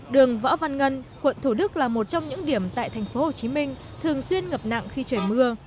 đường võ văn ngân quận thủ đức là một trong những điểm tại tp hcm thường xuyên ngập nặng khi trời mưa